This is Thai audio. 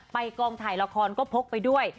กองถ่ายละครก็พกไปด้วย